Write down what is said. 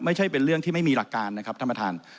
ไม่ใช่เป็นเรื่องที่ไม่มีหลักการนะครับท่านประธาน